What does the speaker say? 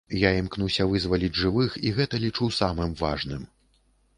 Я імкнуся вызваліць жывых, і гэта лічу самым важным.